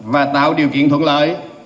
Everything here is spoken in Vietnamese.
và tạo điều kiện thuận lợi